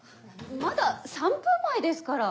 まだ３分前ですから。